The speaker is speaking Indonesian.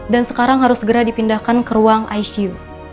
dan sekarang harus segera dipindahkan ke ruang icu